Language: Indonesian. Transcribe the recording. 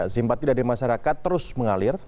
simpat tidak di masyarakat terus mengalir